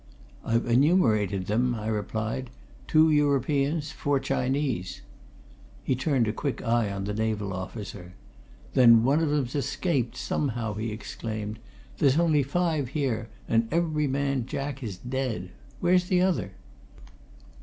"I've enumerated them." I replied. "Two Europeans four Chinese." He turned a quick eye on the naval officer. "Then one of 'em's escaped somehow!" he exclaimed. "There's only five here and every man Jack is dead! Where's the other!"